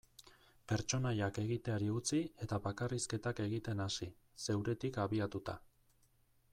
Pertsonaiak egiteari utzi eta bakarrizketak egiten hasi, zeuretik abiatuta.